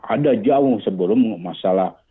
ada jauh sebelum masalah